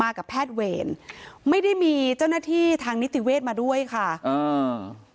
กับแพทย์เวรไม่ได้มีเจ้าหน้าที่ทางนิติเวทมาด้วยค่ะอ่า